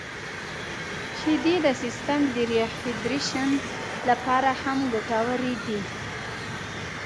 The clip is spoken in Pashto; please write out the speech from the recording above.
• شیدې د سیستم د ریهایدریشن لپاره هم ګټورې دي.